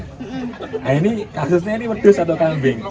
nah ini kasusnya ini pedas atau kambing